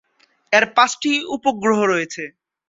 এর পাঁচটি উপগ্রহ রয়েছে।